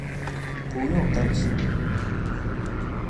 不用擔心